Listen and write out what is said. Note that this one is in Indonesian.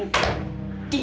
ya anaknya cahaya itu bu